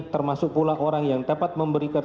termasuk pula orang yang dapat memberikan